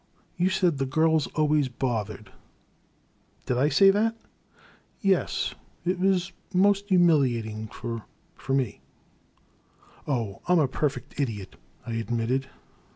You said * the girls always bothered '"*' Did I say that?'' Yes, — ^it was most humiliating for — for me." Oh, I 'm a perfect idiot," I admitted.